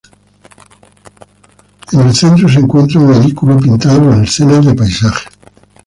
En el centro se encuentra un edículo pintado con escenas de paisaje.